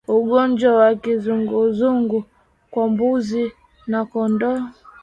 Ugonjwa wa kizunguzungu kwa mbuzi na kondoo